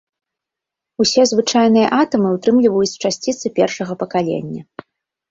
Усе звычайныя атамы ўтрымліваюць часціцы першага пакалення.